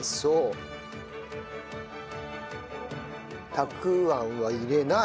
たくあんは入れない。